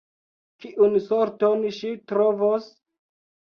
Kiun sorton ŝi trovos?